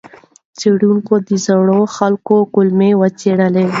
څېړونکو د زړو خلکو کولمې وڅېړلې.